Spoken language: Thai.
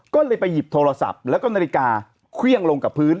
ก็เลยไปหยิบโทรศัพท์แล้วก็นาฬิกาเครื่องลงกับพื้น